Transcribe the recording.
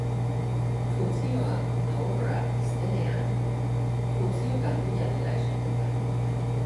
Funtzioa ahurra ez denean, funtzio ganbila dela esaten da.